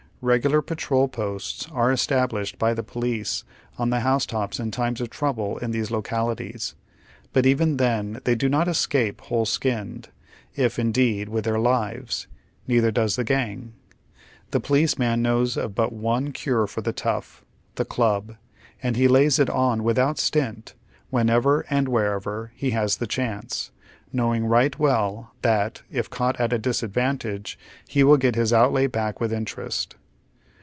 Kegular patrol posts are established by the police on the housetops in times of troiible in these localities, but even then they do not escape whole skinned, if, in deed, witli their lives ; neither does the gang. The policeman knows of but one cure for the tough, the chib, and he lays it on without stint whenever and wherever he has the chance, knowing right well that, if caught at a disadvantage, he will get his outlay back with interest.